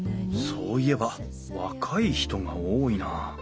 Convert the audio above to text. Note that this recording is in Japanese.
そういえば若い人が多いな。